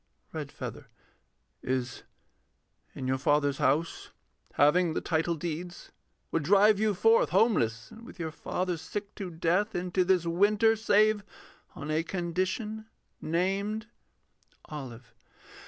REDFEATHER. Is in your father's house Having the title deeds would drive you forth. Homeless, and with your father sick to death, Into this winter, save on a condition Named.... OLIVE.